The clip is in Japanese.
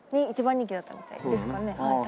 一番人気だったみたいですかね。